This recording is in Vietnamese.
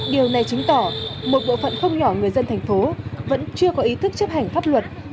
điều này đã đạt được nhiều thông tin